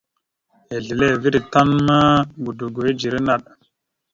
Izleveré tan ma godogo idzeré naɗ.